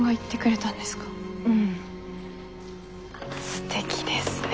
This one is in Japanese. すてきですね。